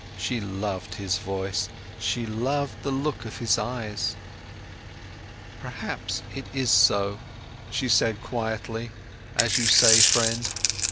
She loved his voice, she loved the look from his eyes. "Perhaps it is so," she said quietly, "as you say, friend.